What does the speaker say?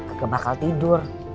agak bakal tidur